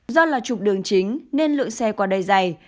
do là trục đường chính nên lượng xe qua đầy dày